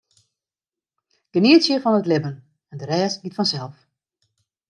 Genietsje fan it libben en de rest giet fansels.